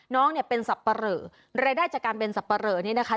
น้องเนี่ยเป็นสับปะเหลอรายได้จากการเป็นสับปะเหลอนี้นะคะ